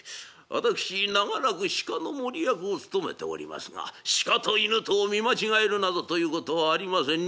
私長らく鹿の守り役を務めておりますが鹿と犬とを見間違えるなどということはありません。